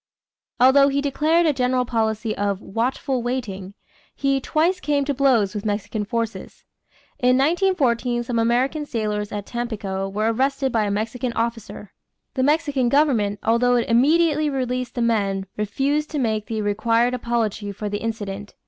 Although he declared a general policy of "watchful waiting," he twice came to blows with Mexican forces. In 1914 some American sailors at Tampico were arrested by a Mexican officer; the Mexican government, although it immediately released the men, refused to make the required apology for the incident.